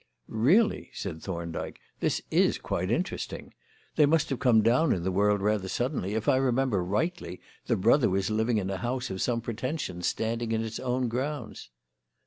"Really," said Thorndyke, "this is quite interesting. They must have come down in the world rather suddenly. If I remember rightly, the brother was living in a house of some pretensions standing in its own grounds."